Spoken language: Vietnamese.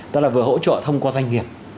tức là vừa hỗ trợ thông qua doanh nghiệp